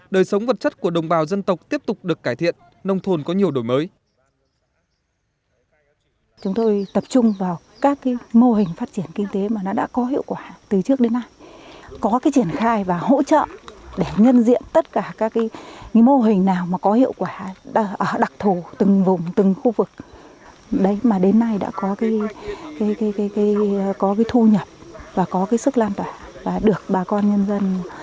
đời sống vật chất của đồng bào dân tộc tiếp tục được cải thiện nông thôn có nhiều đổi mới